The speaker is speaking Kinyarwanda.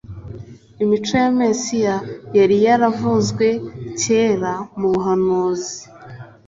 . Imico ya Mesiya yari yaravuzwe kera mu buhanuzi,